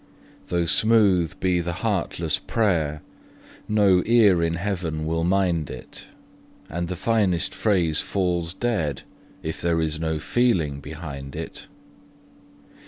Though smooth be the heartless prayer, no ear in Heaven will mind it, And the finest phrase falls dead if there is no feeling behind it.